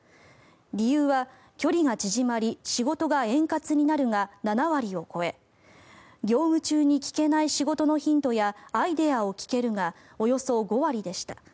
理由は、距離が縮まり仕事が円滑になるが７割を超え業務中に聞けない仕事のヒントやアイデアが聞けるがおよそ５割でした。